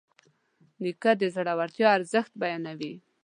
نیکه د زړورتیا ارزښت بیانوي.